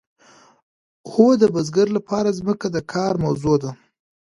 هو د بزګر لپاره ځمکه د کار موضوع ده.